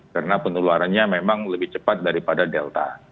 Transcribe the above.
karena peneluarannya memang lebih cepat daripada delta